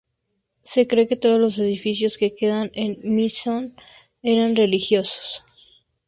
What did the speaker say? Se cree que todos los edificios que quedan en My Son eran religiosos.